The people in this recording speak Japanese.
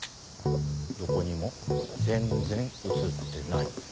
どこにも全然写ってない。